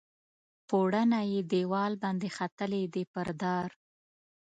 پوړونی یې دیوال باندې ختلي دي پر دار